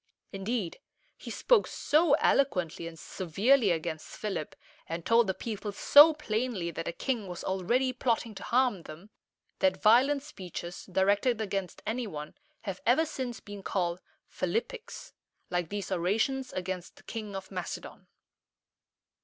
Indeed, he spoke so eloquently and severely against Philip, and told the people so plainly that the king was already plotting to harm them, that violent speeches directed against any one have ever since been called "Philippics," like these orations against the King of Macedon.